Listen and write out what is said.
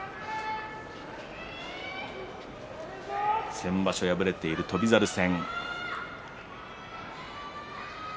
先場所は敗れている翔猿戦。